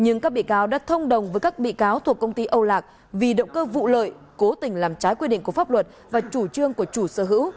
nhưng các bị cáo đã thông đồng với các bị cáo thuộc công ty âu lạc vì động cơ vụ lợi cố tình làm trái quy định của pháp luật và chủ trương của chủ sở hữu